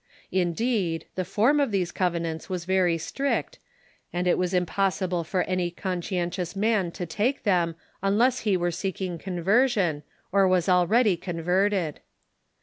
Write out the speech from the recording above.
Indeed, the form of these covenants was very strict, and it was impossible for any conscientious man to take them unless he were seeking conversion, or Avns already converted.